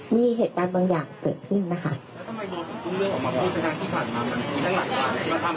มีเหตุการณ์บางอย่างเกิดขึ้นนะคะแล้วทำไมโบต้องเลือกออกมาแจ้งติดขัน